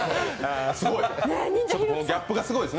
ギャップがすごいです